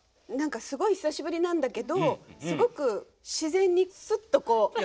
何かすごい久しぶりなんだけどすごく自然にすっとこう。